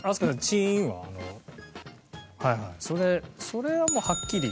はいはいそれそれはもうはっきり。